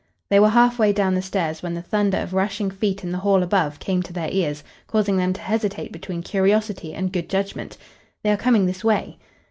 They were half way down the stairs when the thunder of rushing feet in the hall above came to their ears, causing them to hesitate between curiosity and good judgment. "They are coming this way."